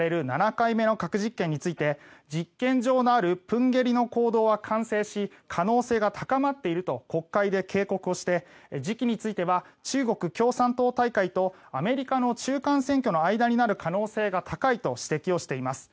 ７回目の核実験について実験場のある豊渓里の坑道は完成し可能性が高まっていると国会で警告をして時期については中国共産党大会とアメリカの中間選挙の間になる可能性が高いと指摘をしています。